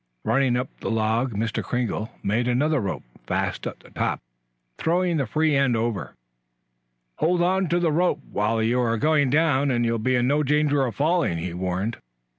Running up the log Mr. Kringle made another rope fast at the top, throwing the free end over. "Hold on to the rope while you are going down and you'll be in no danger of falling," he warned.